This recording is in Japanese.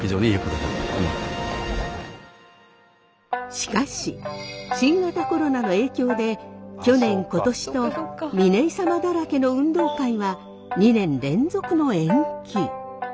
しかし新型コロナの影響で去年今年と嶺井サマだらけの運動会は２年連続の延期。